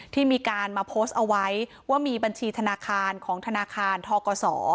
ที่มีการมาโพสต์เอาไว้ว่ามีบัญชีธนาคารของธนาคารทกศ